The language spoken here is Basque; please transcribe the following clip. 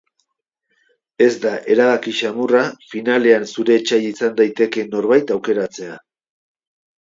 Ez da erabaki samurra finalean zure etsaia izan daitekeen norbait aukeratzea.